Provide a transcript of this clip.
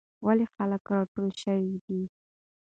ولې خلک راټول شوي دي؟